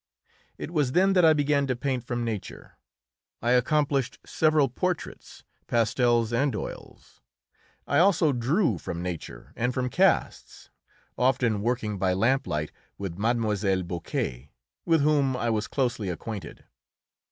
It was then that I began to paint from nature. I accomplished several portraits pastels and oils. I also drew from nature and from casts, often working by lamplight with Mlle. Boquet, with whom I was closely acquainted.